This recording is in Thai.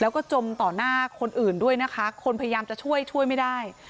แล้วก็จมต่อหน้าคนอื่นด้วยนะคะคนพยายามจะช่วยช่วยไม่ได้